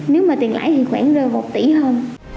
nếu mà tiền lãi thì khoảng rơi một tỷ hơn